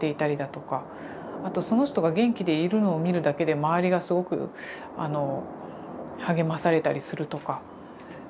あとその人が元気でいるのを見るだけで周りがすごく励まされたりするとか。